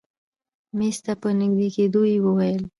مېز ته په نژدې کېدو يې وويل.